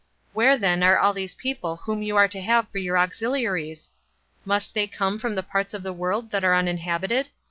Where then are those people whom you are to have for your auxiliaries? Must they come from the parts of the world that are uninhabited?